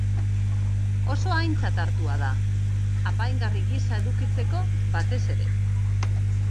Oso aintzat hartua da, apaingarri gisa edukitzeko, batez ere.